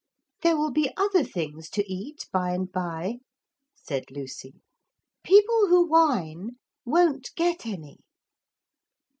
'There will be other things to eat by and by,' said Lucy. 'People who whine won't get any.'